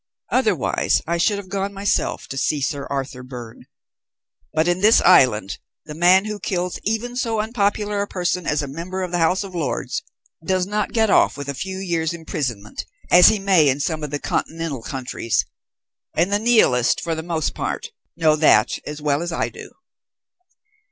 Otherwise I should have gone myself to see Sir Arthur Byrne. But in this island the man who kills even so unpopular a person as a member of the House of Lords does not get off with a few years' imprisonment, as he may in some of the continental countries; and the Nihilists, for the most part, know that as well as I do."